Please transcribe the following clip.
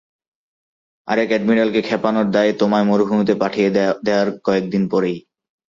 আরেক এডমিরালকে খেপানোর দায়ে তোমায় মরুভূমিতে পাঠিয়ে দেয়ার কয়েকদিন পরই।